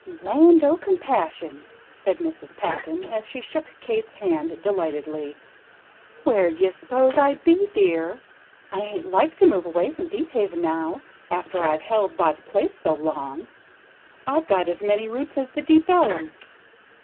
"Land o' compassion!" said Mrs. Patton, as she shook Kate's hand delightedly. "Where'd ye s'pose I'd be, dear? I ain't like to move away from Deephaven now, after I've held by the place so long, I've got as many roots as the big ellum.